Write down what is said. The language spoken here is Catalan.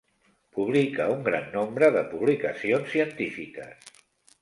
Publica un gran nombre de publicacions científiques.